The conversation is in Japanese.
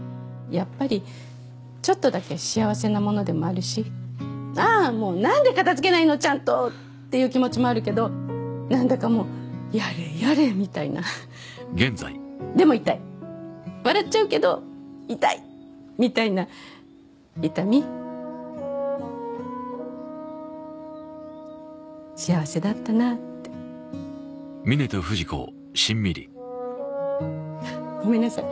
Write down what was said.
やっぱりちょっとだけ幸せなものでもあるしああーもうなんで片づけないのちゃんと！っていう気持ちもあるけどなんだかもうやれやれみたいなでも痛い笑っちゃうけど痛いみたいな痛み幸せだったなってごめんなさい